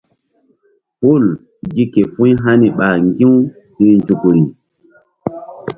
Hul gi ke fu̧y hani ɓa ŋgi̧-u hi̧ nzukri.